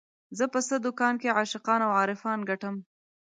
زه په څه دکان کې عاشقان او عارفان ګټم